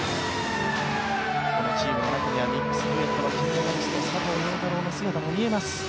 このチームにはミックスデュエットの金メダリスト佐藤陽太郎の姿も見えます。